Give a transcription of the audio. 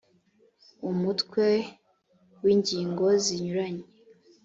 umutwe wa iii ingingo zinyuranye